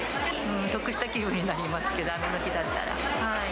得した気分になります、雨の日だったら。